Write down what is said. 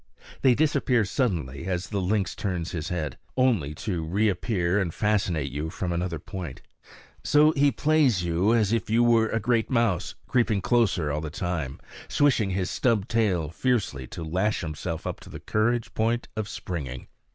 They disappear suddenly as the lynx turns his head, only to reappear and fascinate you from another point. So he plays with you as if you were a great mouse, creeping closer all the time, swishing his stub tail fiercely to lash himself up to the courage point of springing.